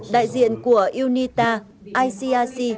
đại diện của unita icic